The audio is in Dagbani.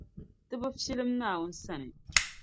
Ti bi fiɛlim Naawuni sani.